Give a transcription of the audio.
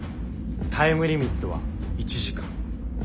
タイムリミットは１時間。